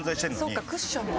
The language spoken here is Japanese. そうかクッションだ。